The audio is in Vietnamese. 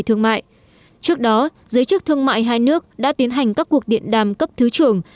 trước đó giới chức thương mại hai nước đã tiến hành các cuộc điện đàm cấp thứ trưởng